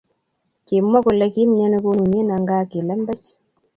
Kimwa kole kimyani konunyi angaa ki lembechek